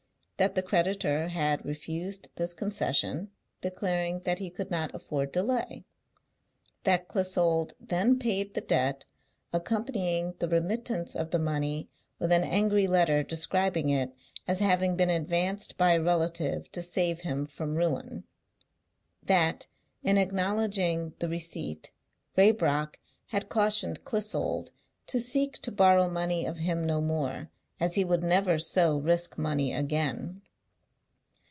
That the creditor had refused this concession, declaring that he could not afford delay. That Clissold then paid the debt, accompanying the remittance of the money with an angry letter describing it as having been advanced by a relative to save him from ruin. That, in acknowlodging the receipt, Raybrock had cautioned Clissold to seek to borrow money of him no more, as he would never so risk money again.